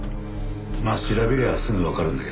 まあ調べりゃすぐわかるんだけど。